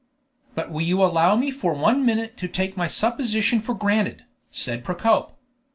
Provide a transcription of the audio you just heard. "But will you allow me for one minute to take my supposition for granted?" said Procope.